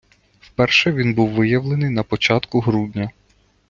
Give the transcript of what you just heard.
Вперше він був виявлений на початку грудня.